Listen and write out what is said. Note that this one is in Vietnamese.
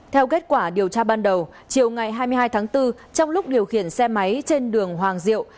theo kết quả điều tra ban đầu chiều ngày hai mươi hai tháng bốn trong lúc điều khiển xe máy trên đường hoàng diệu